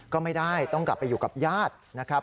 ก็ไม่ได้ต้องกลับไปอยู่กับญาตินะครับ